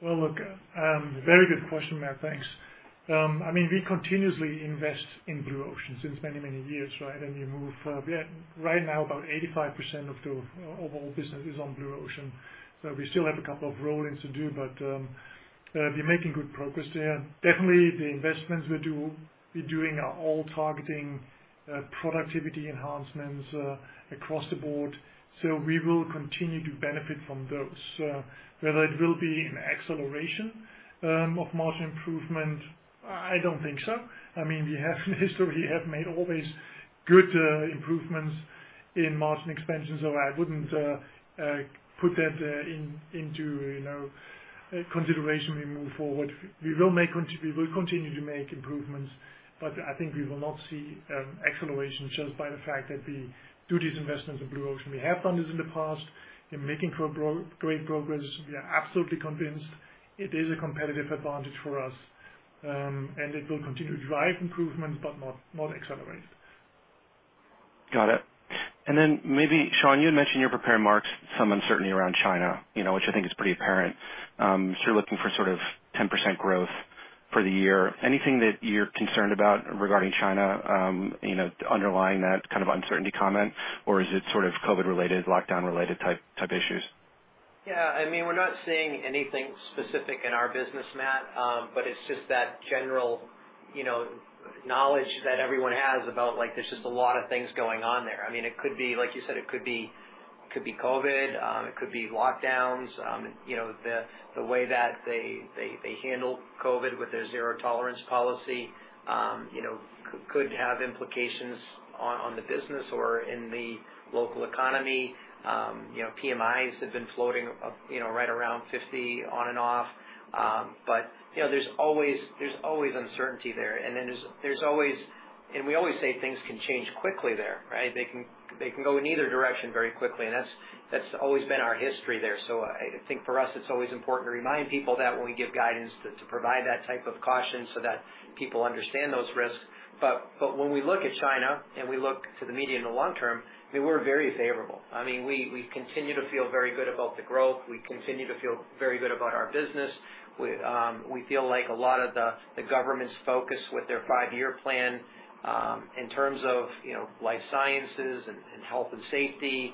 Well, look, very good question, Matt. Thanks. I mean, we continuously invest in Blue Ocean since many, many years, right? We move right now about 85% of our business is on Blue Ocean. We still have a couple of roll-ins to do, but we're making good progress there. Definitely, the investments we're doing are all targeting productivity enhancements across the board. We will continue to benefit from those. Whether it will be an acceleration of margin improvement, I don't think so. I mean, we have historically made always good improvements in margin expansion, so I wouldn't put that into you know consideration we move forward. We will continue to make improvements, but I think we will not see acceleration just by the fact that we do these investments in Blue Ocean. We have done this in the past. We're making great progress. We are absolutely convinced it is a competitive advantage for us, and it will continue to drive improvements but not accelerate. Got it. Then maybe, Shawn, you had mentioned in your prepared remarks some uncertainty around China, you know, which I think is pretty apparent. You're looking for sort of 10% growth for the year. Anything that you're concerned about regarding China, you know, underlying that kind of uncertainty comment? Or is it sort of COVID-related, lockdown-related type issues? Yeah. I mean, we're not seeing anything specific in our business, Matt. But it's just that general, you know, knowledge that everyone has about, like, there's just a lot of things going on there. I mean, it could be, like you said, it could be COVID, it could be lockdowns. You know, the way that they handle COVID with a zero tolerance policy, you know, could have implications on the business or in the local economy. You know, PMIs have been floating up, you know, right around 50 on and off. But, you know, there's always uncertainty there. We always say things can change quickly there, right? They can go in either direction very quickly, and that's always been our history there. I think for us, it's always important to remind people that when we give guidance to provide that type of caution so that people understand those risks. But when we look at China and we look to the medium to long term, I mean, we're very favorable. I mean, we continue to feel very good about the growth. We continue to feel very good about our business. We feel like a lot of the government's focus with their five-year plan in terms of you know, life sciences and health and safety,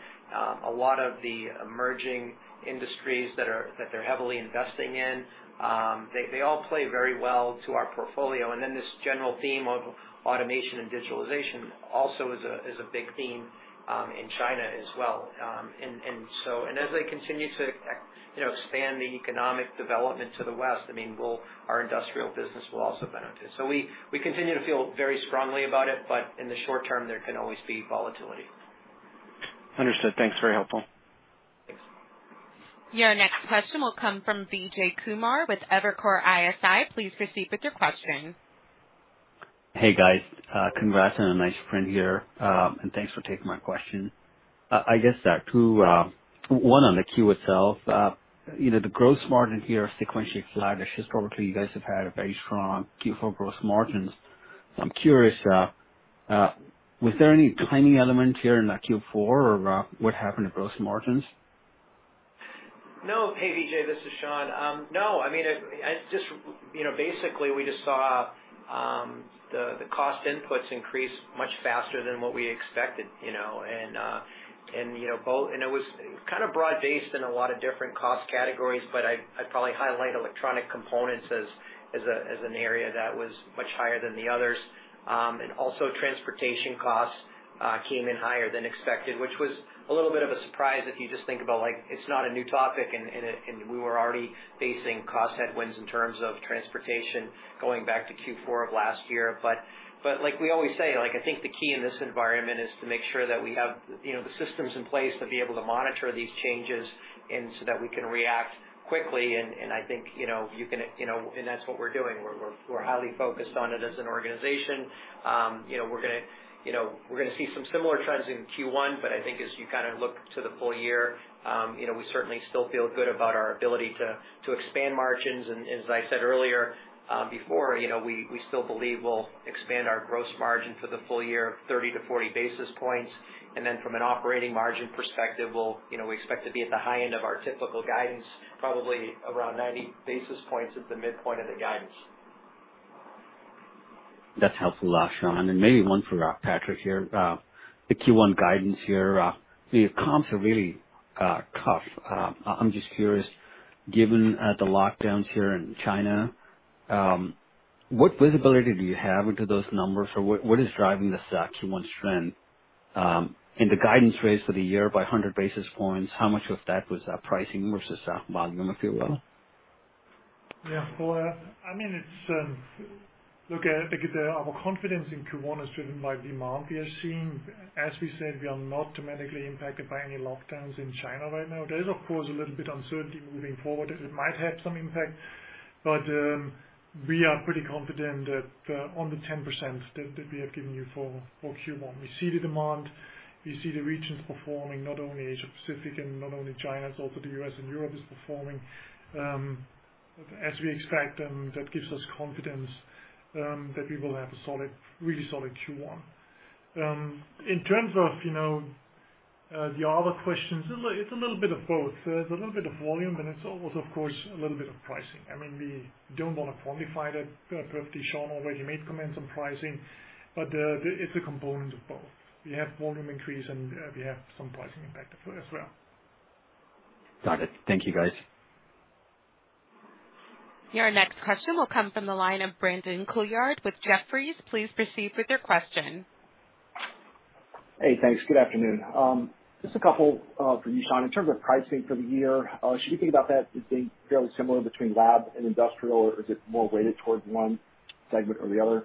a lot of the emerging industries that they're heavily investing in, they all play very well to our portfolio. Then this general theme of automation and digitalization also is a big theme in China as well. As they continue to, you know, expand the economic development to the West, I mean, our industrial business will also benefit. We continue to feel very strongly about it, but in the short term, there can always be volatility. Understood. Thanks. Very helpful. Thanks. Your next question will come from Vijay Kumar with Evercore ISI. Please proceed with your question. Hey guys, congrats on a nice print year, and thanks for taking my question. I guess there are two... one, on the Q itself. You know, the gross margin here sequentially flat, which is probably you guys have had a very strong Q4 gross margins. So I'm curious, was there any timing element here in the Q4 or, what happened to gross margins? No. Hey, Vijay, this is Shawn. No, I mean, it just, you know, basically we just saw the cost inputs increase much faster than what we expected, you know, and you know, and it was kind of broad-based in a lot of different cost categories, but I'd probably highlight electronic components as an area that was much higher than the others. And also transportation costs came in higher than expected, which was a little bit of a surprise if you just think about, like, it's not a new topic and we were already facing cost headwinds in terms of transportation going back to Q4 of last year. Like we always say, like, I think the key in this environment is to make sure that we have, you know, the systems in place to be able to monitor these changes and so that we can react quickly. I think, you know, you can, you know, and that's what we're doing. We're highly focused on it as an organization. You know, we're gonna, you know, we're gonna see some similar trends in Q1, but I think as you kind of look to the full year, you know, we certainly still feel good about our ability to expand margins. As I said earlier, you know, we still believe we'll expand our gross margin for the full year of 30-40 basis points. From an operating margin perspective, we'll, you know, we expect to be at the high end of our typical guidance, probably around 90 basis points at the midpoint of the guidance. That's helpful, Shawn. Maybe one for Patrick here. The Q1 guidance here, the comps are really tough. I'm just curious, given the lockdowns here in China, what visibility do you have into those numbers, or what is driving this Q1 trend? The guidance raise for the year by 100 basis points, how much of that was pricing versus volume, if you will? Yeah. Well, I mean, it's. Look, I think our confidence in Q1 is driven by demand we are seeing. As we said, we are not dramatically impacted by any lockdowns in China right now. There is, of course, a little bit uncertainty moving forward, it might have some impact, but we are pretty confident that on the 10% that we have given you for Q1. We see the demand, we see the regions performing, not only Asia-Pacific and not only China. It's also the U.S. and Europe is performing as we expect, and that gives us confidence that we will have a solid, really solid Q1. In terms of the other questions, it's a little bit of both. There's a little bit of volume, but it's also, of course, a little bit of pricing. I mean, we don't wanna quantify that perfectly. Shawn already made comments on pricing, but it's a component of both. We have volume increase and we have some pricing impact, as well. Got it. Thank you, guys. Your next question will come from the line of Brandon Couillard with Jefferies. Please proceed with your question. Hey, thanks. Good afternoon. Just a couple for you, Shawn. In terms of pricing for the year, should we think about that as being fairly similar between lab and industrial, or is it more weighted towards one segment or the other?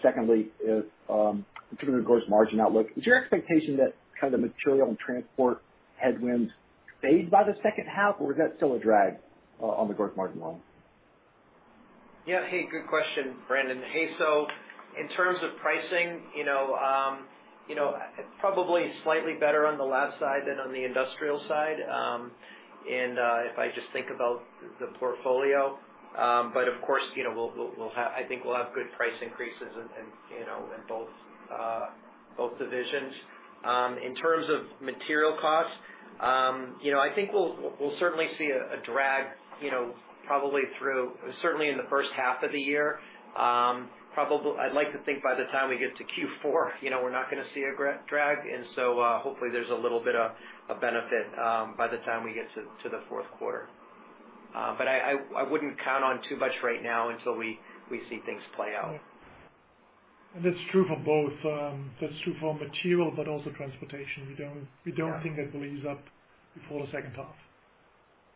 Secondly, in terms of gross margin outlook, is your expectation that kind of the material and transport headwinds fade by the second half, or is that still a drag on the gross margin line? Yeah. Hey, good question, Brandon. Hey, so in terms of pricing, you know, probably slightly better on the lab side than on the industrial side, and if I just think about the portfolio. Of course, you know, I think we'll have good price increases in both divisions. In terms of material costs, you know, I think we'll certainly see a drag, you know, probably through certainly in the first half of the year. Probably, I'd like to think by the time we get to Q4, you know, we're not gonna see a drag, and so hopefully there's a little bit of benefit by the time we get to the fourth quarter. I wouldn't count on too much right now until we see things play out. That's true for both. That's true for material, but also transportation. We don't think it will ease up before the second half.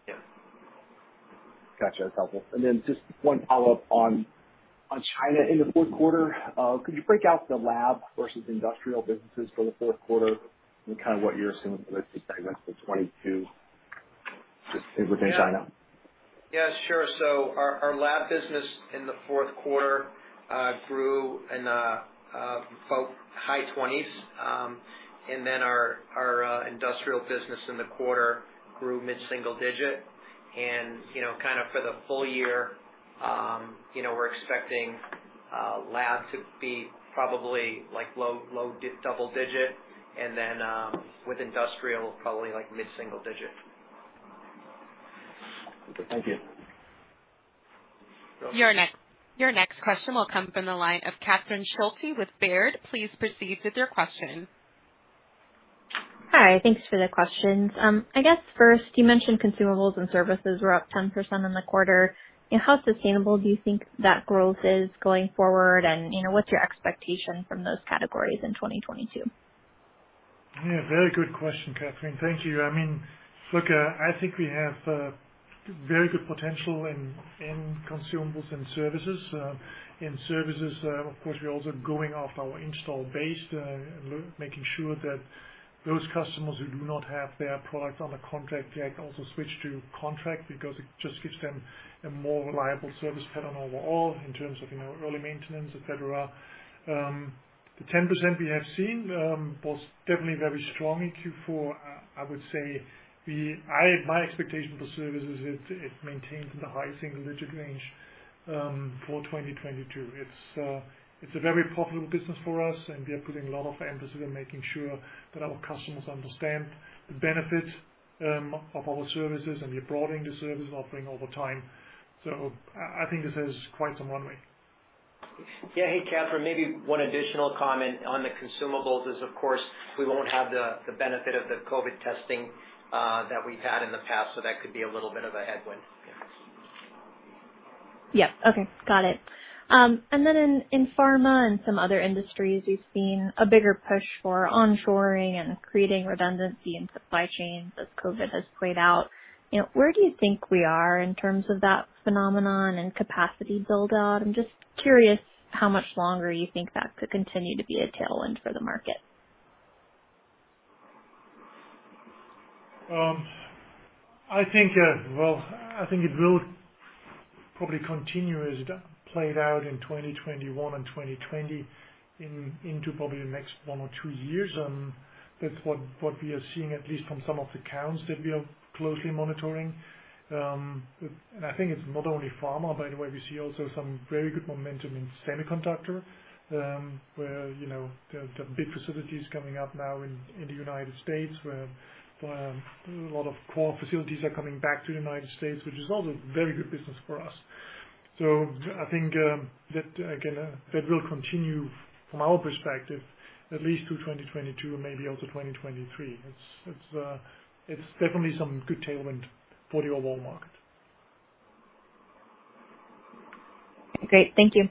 Yeah. Gotcha. That's helpful. Then just one follow-up on China in the fourth quarter. Could you break out the lab versus industrial businesses for the fourth quarter and kind of what you're assuming for those two segments for 2022, just within China? Yeah. Yeah, sure. Our lab business in the fourth quarter grew about high 20s%. Our industrial business in the quarter grew mid-single-digit%. You know, kind of for the full year, you know, we're expecting lab to be probably like low double-digit% and then with industrial, probably like mid-single-digit%. Okay. Thank you. Your next question will come from the line of Catherine Schulte with Baird. Please proceed with your question. Hi. Thanks for the questions. I guess first, you mentioned consumables and services were up 10% in the quarter. How sustainable do you think that growth is going forward and, you know, what's your expectation from those categories in 2022? Yeah, very good question, Catherine. Thank you. I mean, look, I think we have very good potential in consumables and services. In services, of course, we're also going off our install base, making sure that those customers who do not have their product on a contract yet also switch to contract because it just gives them a more reliable service pattern overall in terms of, you know, early maintenance, et cetera. The 10% we have seen was definitely very strong in Q4. I would say my expectation for services is that it maintains in the high single-digit range for 2022. It's a very popular business for us, and we are putting a lot of emphasis on making sure that our customers understand the benefit of our services and we're broadening the service offering over time. I think this has quite some runway. Yeah. Hey, Catherine, maybe one additional comment on the consumables is, of course, we won't have the benefit of the COVID testing that we've had in the past, so that could be a little bit of a headwind. Yeah. Okay. Got it. In pharma and some other industries, you've seen a bigger push for onshoring and creating redundancy in supply chains as COVID has played out. You know, where do you think we are in terms of that phenomenon and capacity build out? I'm just curious how much longer you think that could continue to be a tailwind for the market. I think it will probably continue as it played out in 2021 and 2020 into probably the next one or two years. That's what we are seeing, at least from some of the accounts that we are closely monitoring. I think it's not only pharma, by the way. We see also some very good momentum in semiconductor, where you know the big facilities coming up now in the United States, where a lot of core facilities are coming back to the United States, which is also very good business for us. I think that again that will continue from our perspective at least through 2022 and maybe also 2023. It's definitely some good tailwind for the overall market. Great. Thank you.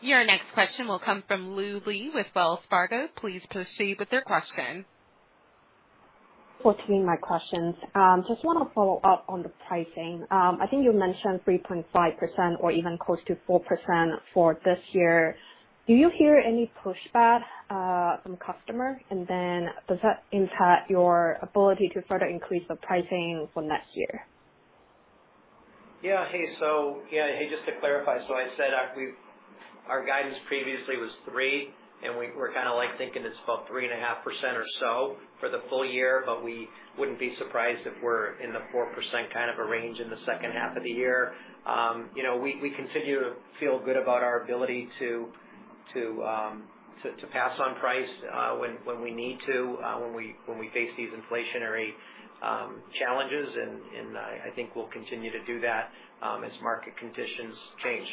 Your next question will come from Lu Li with Wells Fargo. Please proceed with your question. for taking my questions. Just wanna follow up on the pricing. I think you mentioned 3.5% or even close to 4% for this year. Do you hear any pushback from customers? Then does that impact your ability to further increase the pricing for next year? Just to clarify, so I said our guidance previously was 3%, and we're kinda like thinking it's about 3.5% or so for the full year, but we wouldn't be surprised if we're in the 4% kind of a range in the second half of the year. You know, we continue to feel good about our ability to pass on price when we need to, when we face these inflationary challenges. I think we'll continue to do that as market conditions change.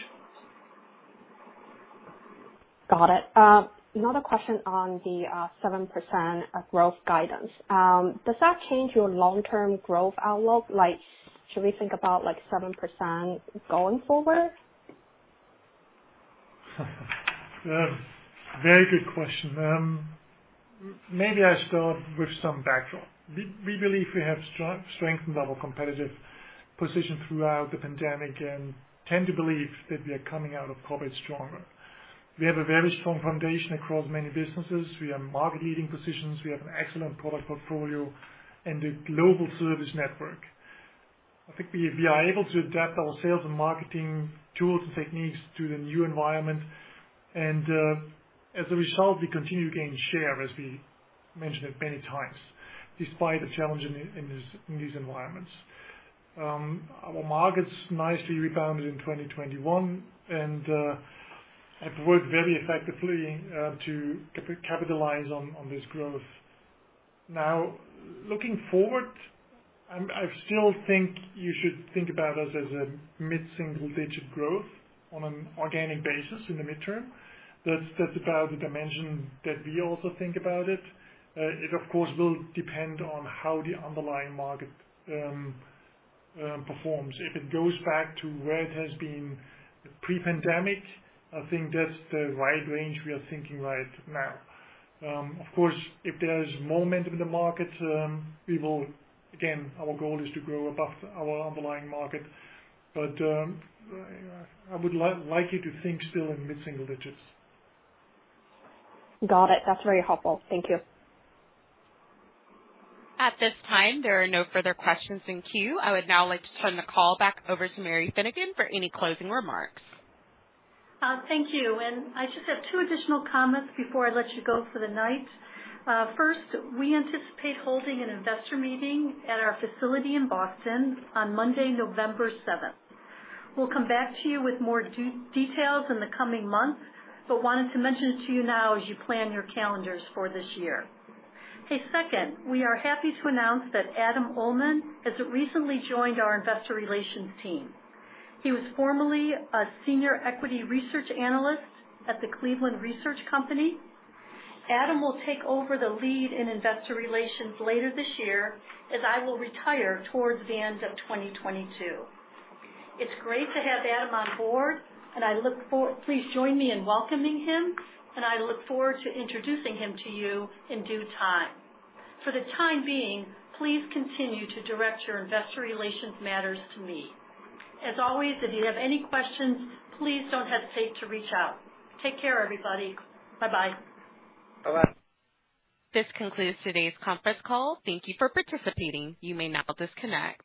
Got it. Another question on the 7% growth guidance. Does that change your long-term growth outlook? Like, should we think about, like, 7% going forward? Very good question. Maybe I start with some background. We believe we have strengthened our competitive position throughout the pandemic and tend to believe that we are coming out of COVID stronger. We have a very strong foundation across many businesses. We have market-leading positions. We have an excellent product portfolio and a global service network. I think we are able to adapt our sales and marketing tools and techniques to the new environment. As a result, we continue to gain share, as we mentioned it many times, despite the challenge in these environments. Our markets nicely rebounded in 2021 and have worked very effectively to capitalize on this growth. Now, looking forward, I still think you should think about us as a mid-single-digit growth on an organic basis in the midterm. That's the dimension that we also think about it. It of course will depend on how the underlying market performs. If it goes back to where it has been pre-pandemic, I think that's the right range we are thinking right now. Of course, if there's more momentum in the markets, we will again, our goal is to grow above our underlying market. But I would like you to think still in mid-single digits. Got it. That's very helpful. Thank you. At this time, there are no further questions in queue. I would now like to turn the call back over to Mary Finnegan for any closing remarks. Thank you. I just have two additional comments before I let you go for the night. First, we anticipate holding an investor meeting at our facility in Boston on Monday, November seventh. We'll come back to you with more details in the coming months, but wanted to mention it to you now as you plan your calendars for this year. Okay. Second, we are happy to announce that Adam Uhlman has recently joined our investor relations team. He was formerly a senior equity research analyst at the Cleveland Research Company. Adam will take over the lead in investor relations later this year, as I will retire towards the end of 2022. It's great to have Adam on board. Please join me in welcoming him, and I look forward to introducing him to you in due time. For the time being, please continue to direct your investor relations matters to me. As always, if you have any questions, please don't hesitate to reach out. Take care, everybody. Bye-bye. Bye-bye. This concludes today's conference call. Thank you for participating. You may now disconnect.